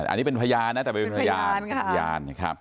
อันนี้เป็นพยานนะแต่เป็นพยาน